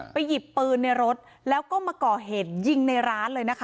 หยิบปืนในรถแล้วก็มาก่อเหตุยิงในร้านเลยนะคะ